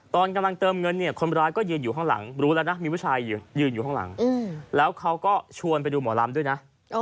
ตอนกำลังเติมเงินเนี่ยคนร้ายก็ยืนอยู่ข้างหลังรู้แล้วนะมีผู้ชายยืนอยู่ข้างหลังแล้วเขาก็ชวนไปดูหมอลำด้วยนะ